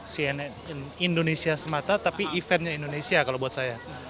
cnn indonesia semata tapi eventnya indonesia kalau buat saya